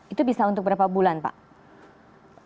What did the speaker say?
itu bisa untuk berapa bulan pak